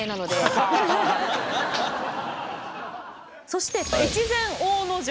そして越前大野城。